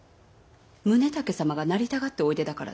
宗武様がなりたがっておいでだからですか？